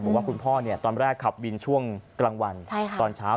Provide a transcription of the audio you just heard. คุณพ่อตอนแรกขับบินช่วงกลางวันตอนเช้า